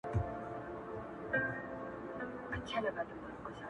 همدا ښارونه، دا کیسې او دا نیکونه به وي،